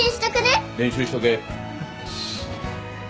練習しとけよし。